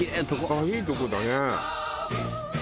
「ああいいとこだね」